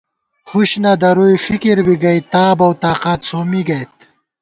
ہُش نہ دَرُوئی فکر بی گئ تاب اؤ تاقات سومّی گئیت